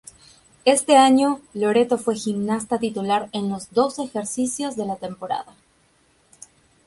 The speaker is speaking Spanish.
Este año Loreto fue gimnasta titular en los dos ejercicios de la temporada.